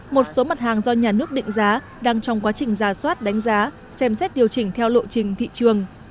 một số mặt hàng do nhà nước định giá đang trong quá trình giả soát đánh giá xem xét điều chỉnh theo lộ trình thị trường